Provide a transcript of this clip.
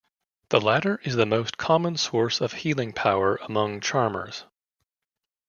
The latter is the most common source of healing power among charmers.